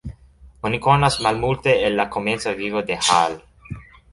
Oni konas malmulte el la komenca vivo de Hall.